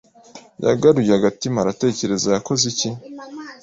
“yagaruye agatima aratekereza. Yakoze iki?